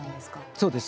そうです。